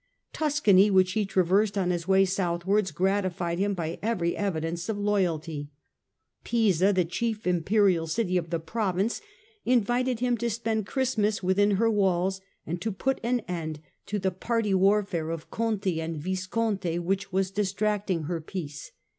Tuscany, which he traversed on his way southwards, gratified him by every evidence of loyalty. Pisa, the chief Im perial city of the province, invited him to spend Christ mas within her walls and to put an end to the party H 178 STUPOR MUNDI warfare of Conti and Visconti which was distracting her peace.